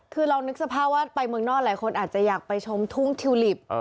คือลองนึกสภาพว่าไปเมืองนอกหลายคนอาจจะอยากไปชมทุ่งทิวลิป